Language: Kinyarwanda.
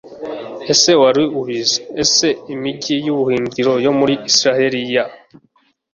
Ese wari ubizi Ese imigi y ubuhungiro yo muri Isirayeli ya